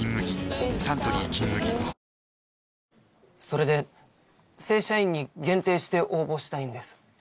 それで正社員に限定して応募したいんです。